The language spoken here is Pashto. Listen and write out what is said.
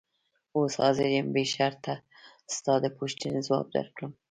اوس حاضر یم بې شرطه ستا د پوښتنې ځواب درکړم.